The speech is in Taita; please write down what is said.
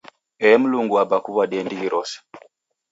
Ee, Mlungu Aba kuw'adie ndighi rose!